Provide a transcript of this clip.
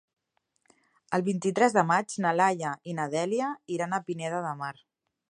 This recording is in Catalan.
El vint-i-tres de maig na Laia i na Dèlia iran a Pineda de Mar.